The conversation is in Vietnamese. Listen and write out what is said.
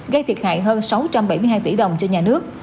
gây thiệt hại hơn sáu trăm bảy mươi hai tỷ đồng cho nhà nước